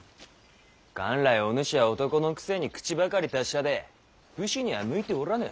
元来お主は男のくせに口ばかり達者で武士には向いておらぬ。